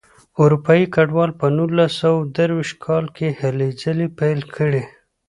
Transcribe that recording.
اروپایي کډوالو په نولس سوه درویشت کال کې هلې ځلې پیل کړې.